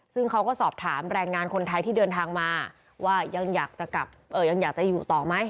ซึ่งเขาก็สอบถามแรงงานคนไทยที่เดินทางมาว่ายังอยากจะอยู่ต่อไหม